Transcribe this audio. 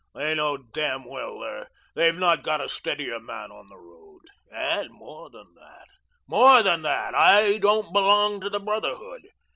They know damn well they've not got a steadier man on the road. And more than that, more than that, I don't belong to the Brotherhood.